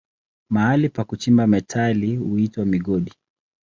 Mahali pa kuchimba metali huitwa migodi.